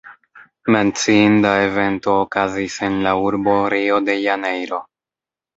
Menciinda evento okazis en la urbo Rio de janeiro.